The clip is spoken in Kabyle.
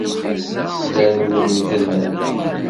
Llan lemmden.